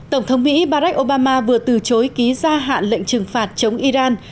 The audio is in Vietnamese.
tổng thống mỹ barack obama vừa từ chối ký gia hạn lệnh trừng phạt chống iran